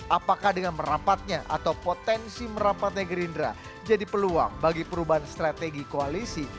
apakah dengan merapatnya atau potensi merapatnya gerindra jadi peluang bagi perubahan strategi koalisi